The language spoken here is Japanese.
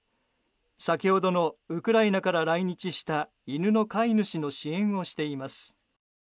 先ほどのウクライナから来日した犬の飼い主の支援をしています。